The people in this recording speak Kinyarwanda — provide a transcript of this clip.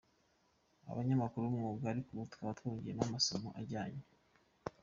abanyamakuru b’umwuga,… ariko ubu tukaba twongeyemo amasomo ajyanye.